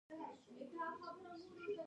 د تیلو بیه په کرایه اغیز لري